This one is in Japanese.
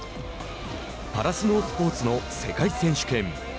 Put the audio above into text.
パラスノースポーツの世界選手権。